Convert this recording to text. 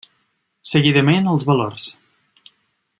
Seguidament, els valors.